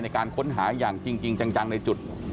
ในการค้นหาอย่างจริงจังในจุด